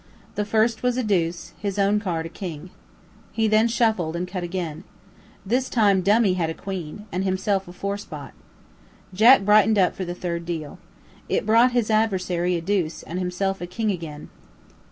The first was a deuce, his own card, a king. He then shuffled and cut again. This time "dummy" had a queen, and himself a four spot. Jack brightened up for the third deal. It brought his adversary a deuce, and himself a king again.